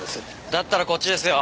だったらこっちですよ。